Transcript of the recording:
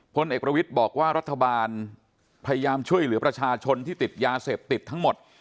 พลเอกประวิทย์บอกว่ารัฐบาลพยายามช่วยเหลือประชาชนที่ติดยาเสพติดทั้งหมด